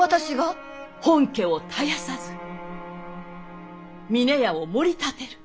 本家を絶やさず峰屋をもり立てる。